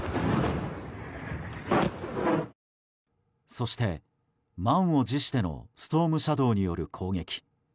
そして、満を持してのストームシャドーによる攻撃。